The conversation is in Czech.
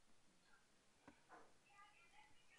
Na této ploše žije největší množství savců v Severní Americe.